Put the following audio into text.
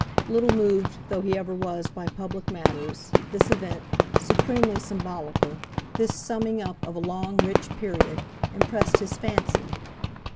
Little moved though he ever was by public matters, this event, supremely symbolical, this summing up of a long rich period, impressed his fancy.